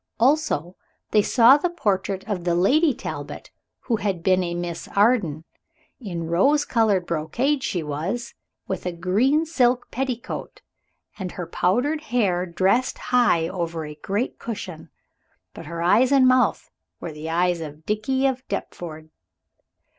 Also they saw the portrait of the Lady Talbot who had been a Miss Arden. In rose colored brocade she was, with a green silk petticoat and her powdered hair dressed high over a great cushion, but her eyes and her mouth were the eyes of Dickie of Deptford.